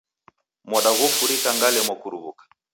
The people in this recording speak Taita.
Moda ghofurika ngalemwa kuruw'uka